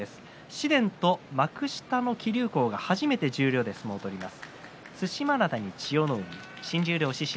紫雷と幕下の木竜皇が初めて十両で相撲を取ります。